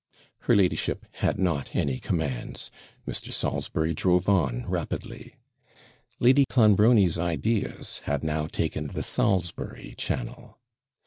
Her ladyship had not any commands. Mr. Salisbury drove on rapidly. Lady Clonbrony's ideas had now taken the Salisbury channel.